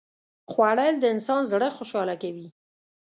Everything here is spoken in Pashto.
خوړل د انسان زړه خوشاله کوي